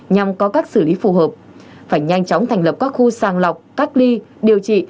nhằm có cách xử lý phù hợp phải nhanh chóng thành lập các khu sàng lọc cách ly điều trị